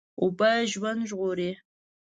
اوبه ژوند ژغوري.